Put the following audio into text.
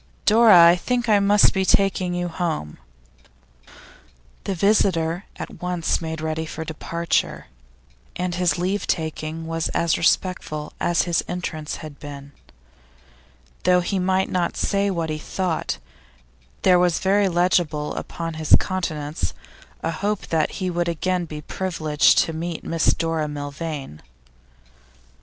'Dora, I think I must be taking you home.' The visitor at once made ready for departure, and his leave taking was as respectful as his entrance had been. Though he might not say what he thought, there was very legible upon his countenance a hope that he would again be privileged to meet Miss Dora Milvain.